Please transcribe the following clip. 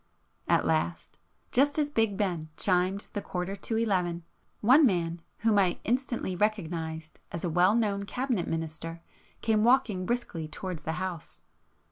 At last, just as Big Ben chimed the quarter to eleven, one man whom I instantly recognised as a well known Cabinet minister, came walking briskly towards the House